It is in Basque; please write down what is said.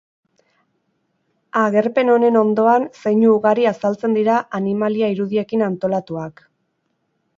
Agerpen honen ondoan zeinu ugari azaltzen dira animalia-irudiekin antolatuak.